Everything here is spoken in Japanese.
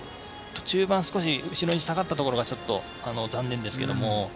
中盤少し後ろに下がったところがちょっと、残念ですけども。